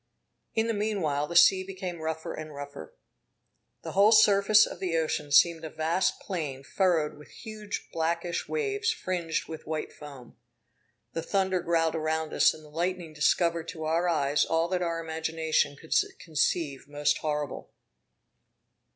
In the meanwhile the sea became rougher and rougher. The whole surface of the ocean seemed a vast plain furrowed with huge blackish waves fringed with white foam. The thunder growled around us, and the lightning discovered to our eyes all that our imagination could conceive most horrible.